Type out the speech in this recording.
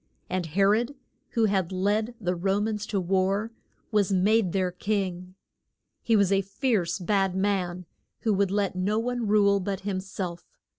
And He rod, who had led the Ro mans to war, was made their king. He was a fierce, bad man, who would let no one rule but him self.